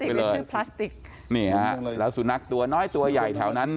ไปเลยชุดพลาสติกนี่ฮะแล้วสุนัขตัวน้อยตัวใหญ่แถวนั้น